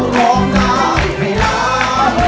ได้